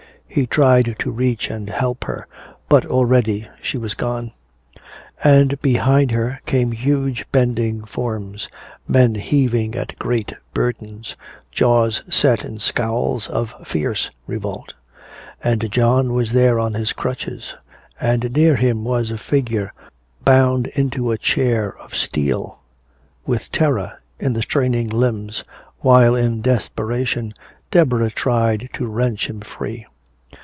He tried to reach and help her, but already she had gone. And behind her came huge bending forms, men heaving at great burdens, jaws set in scowls of fierce revolt. And John was there on his crutches, and near him was a figure bound into a chair of steel, with terror in the straining limbs, while in desperation Deborah tried to wrench him free.